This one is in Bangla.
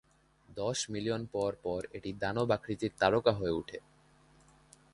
দশ মিলিয়ন পর পর এটি দানব আকৃতির তারকা হয়ে উঠে।